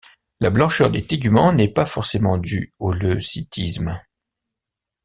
La blancheur des téguments n’est pas forcément due au leucistisme.